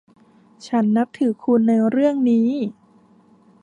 ฉันนับถือคุณในเรื่องนี้